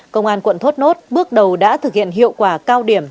công an quận thốt nốt bước đầu đã thực hiện hiệu quả cao điểm